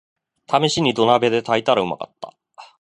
ためしに土鍋で炊いたらうまかった